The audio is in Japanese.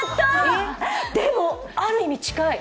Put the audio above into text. でも、ある意味近い。